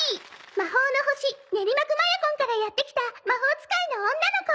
魔法の星ネリマクマヤコンからやって来たま・ほー使いの女の子！